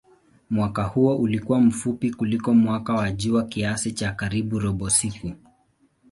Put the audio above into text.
Mwaka huo ulikuwa mfupi kuliko mwaka wa jua kiasi cha karibu robo siku.